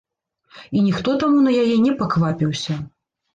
І ніхто таму на яе не паквапіўся.